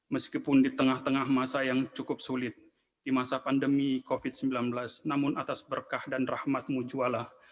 meskipun di tengah tengah masa yang cukup sulit di masa pandemi covid sembilan belas namun atas berkah dan rahmatmu juallah